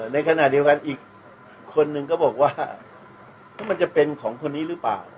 ในขณะเดียวกันอีกคนนึงก็บอกว่ามันจะเป็นของคนนี้หรือเปล่า